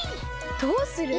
どうする？